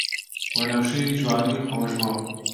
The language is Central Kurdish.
وەنەوشەی جوانی خۆشبۆ